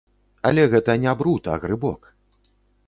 Але гэта не бруд, а грыбок.